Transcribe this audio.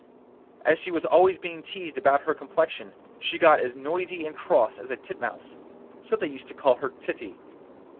As she was always being teased about her complexion, she got as noisy and cross as a titmouse. So they used to call her Titty.